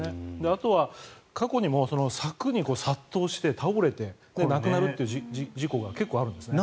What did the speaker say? あとは過去にも柵に殺到して倒れて亡くなるという事故が結構あるんですね。